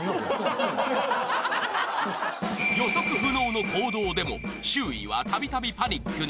［予測不能の行動でも周囲はたびたびパニックに］